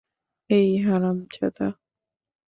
এই, হারামজাদা।